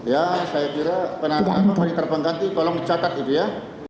ya saya kira penandaan apa yang terpengganti tolong catat itu ya